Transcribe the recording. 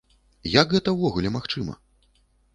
Як гэта ўвогуле магчыма?